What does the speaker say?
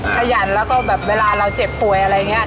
ขยันแล้วก็แบบเวลาเราเจ็บป่วยอะไรอย่างนี้